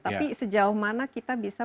tapi sejauh mana kita bisa